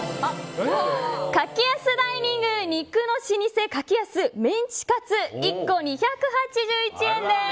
柿安ダイニング肉の老舗柿安メンチカツ１個２８１円です。